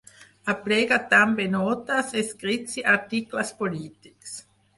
Aplega també notes, escrits i articles polítics.